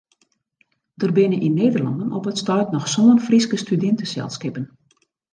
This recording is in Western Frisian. Der binne yn Nederlân op it stuit noch sân Fryske studinteselskippen.